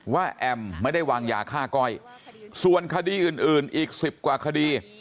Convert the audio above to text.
แอมไม่ได้วางยาฆ่าก้อยส่วนคดีอื่นอีก๑๐กว่าคดี